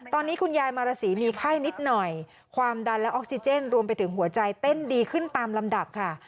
ตอนนี้คุณยายมารสีมีไข้นิดหน่อยความดันและออกซิเจนรวมไปถึงหัวใจเต้นดีขึ้นตามลำดับค่ะ